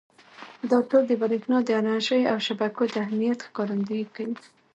دا ټول د برېښنا د انرژۍ او شبکو د اهمیت ښکارندويي کوي.